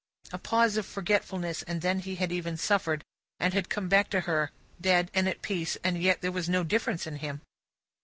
A pause of forgetfulness, and then he had even suffered, and had come back to her, dead and at peace, and yet there was no difference in him.